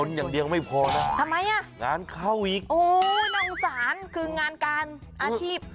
ต้นอย่างเดียวไม่พอนะงานเข้าอีกโอ้โฮนังสารคืองานการอาชีพ